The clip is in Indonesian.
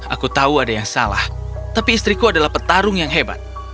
aku tahu ada yang salah tapi istriku adalah petarung yang hebat